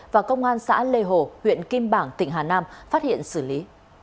và công an xã lê hồ huyện kim bảng tỉnh hà nam phát hiện xử lý